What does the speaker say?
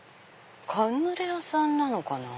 カヌレ屋さんなのかな。